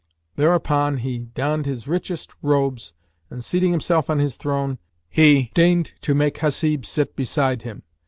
Thereupon he donned his richest robes and, seating himself on his throne, deigned make Hasib sit beside him.